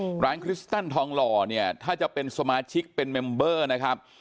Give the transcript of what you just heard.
หืมร้านคริสตันทองหล่อเนี้ยถ้าจะเป็นเป็นนะครับ